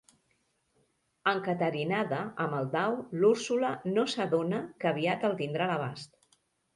Encaterinada amb el dau, l'Úrsula no s'adona que aviat el tindrà a l'abast.